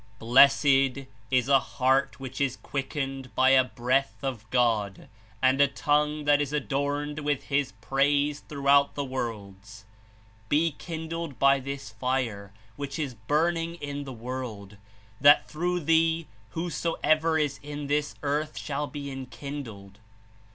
96 ''Blessed is a heart which is quickened by a Breath of God and a tongue that is adorned with His praise throughout the worlds ! Be kindled by this fire which is burning in the world, that through thee whosoever is in this earth shall be enkindled.